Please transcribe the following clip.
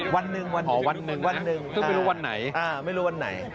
วันหนึ่งค่ะไม่รู้วันไหน